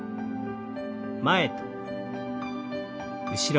前と後ろに。